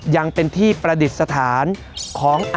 ยังเป็นที่ประดิษฐานของ